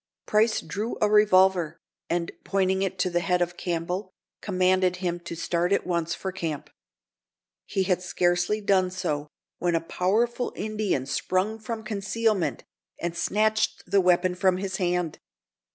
_" Price drew a revolver, and pointing it to the head of Campbell, commanded him to start at once for camp. He had scarcely done so, when a powerful Indian sprung from concealment, and snatched the weapon from his hand.